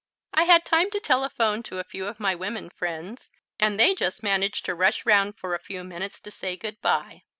I had time to telephone to a few of my women friends, and they just managed to rush round for a few minutes to say good bye.